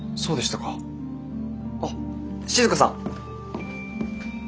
あっ静さん。